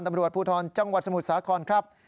ตำรวจภูทรจังหวัดสมุทรสาครครับ